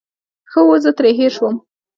ښه وو، زه ترې هېر شوم.